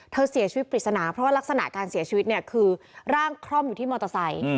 เสียชีวิตปริศนาเพราะว่ารักษณะการเสียชีวิตเนี่ยคือร่างคล่อมอยู่ที่มอเตอร์ไซค์